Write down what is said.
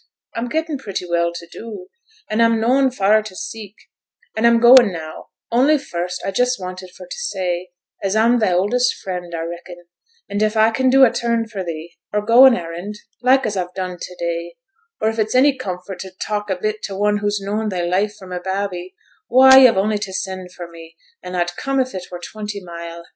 A'm gettin' pretty well to do, an' a'm noane far t' seek, an' a'm going now: only first a just wanted for t' say as a'm thy oldest friend, a reckon, and if a can do a turn for thee, or go an errand, like as a've done to day, or if it's any comfort to talk a bit to one who's known thy life from a babby, why yo've only t' send for me, an' a'd come if it were twenty mile.